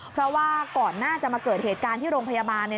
เพราะว่าก่อนหน้าจะมาเกิดเหตุการณ์ที่โรงพยาบาล